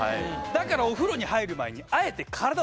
だからお風呂に入る前に。